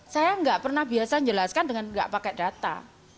saya nggak pernah biasa menjelaskan dengan nggak pakai data